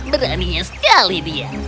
beraninya sekali dia